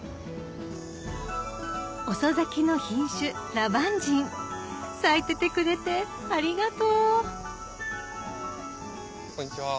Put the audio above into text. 遅咲きの品種咲いててくれてありがとうこんにちは。